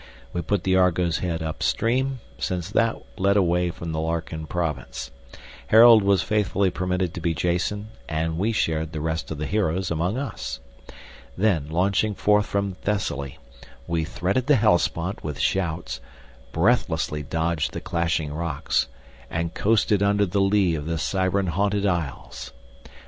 We put the Argo's head up stream, since that led away from the Larkin province; Harold was faithfully permitted to be Jason, and we shared the rest of the heroes among us. Then launching forth from Thessaly, we threaded the Hellespont with shouts, breathlessly dodged the Clashing Rocks, and coasted under the lee of the Siren haunted isles.